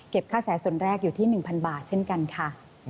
ค่าแสส่วนแรกอยู่ที่๑๐๐บาทเช่นกันค่ะ